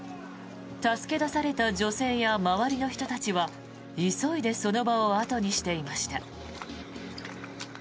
助け出された女性や周りの人たちは急いでその場を後にしていました。